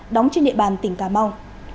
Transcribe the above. đóng trên địa bàn tỉnh cà mau